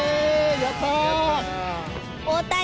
やったー。